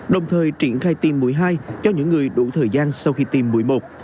đồng thời triển khai tiêm mũi hai cho những người đủ thời gian sau khi tiêm mũi một